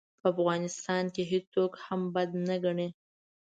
په افغانستان کې هېڅوک هم بد نه ګڼي.